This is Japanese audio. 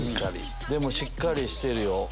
でもしっかりしてるよ。